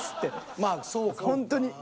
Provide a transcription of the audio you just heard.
まあそうかもな。